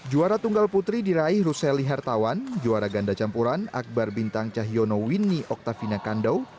juara tunggal putri diraih ruseli hertawan juara ganda campuran akbar bintang cahyono winnie oktavina kandau